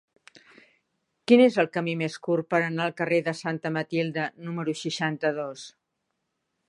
Quin és el camí més curt per anar al carrer de Santa Matilde número seixanta-dos?